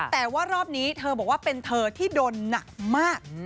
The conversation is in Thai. แต่ว่ารอบนี้เธอบอกว่าเป็นเธอที่โดนหนักมาก